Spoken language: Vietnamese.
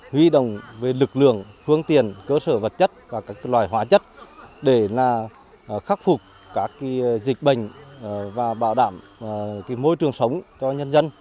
huy động về lực lượng phương tiện cơ sở vật chất và các loài hóa chất để khắc phục các dịch bệnh và bảo đảm môi trường sống cho nhân dân